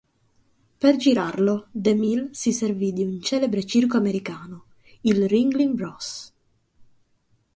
Per girarlo DeMille si servì di un celebre circo americano, il Ringling Bros.